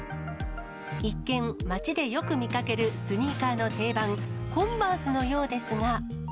一見、街でよく見かけるスニーカーの定番、コンバースのようです